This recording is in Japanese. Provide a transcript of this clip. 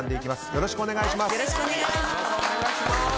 よろしくお願いします。